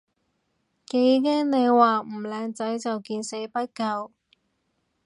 幾驚你話唔靚仔就見死不救